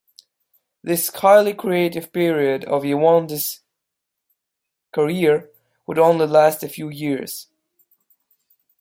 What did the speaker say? This highly creative period of Yevonde's career would only last a few years.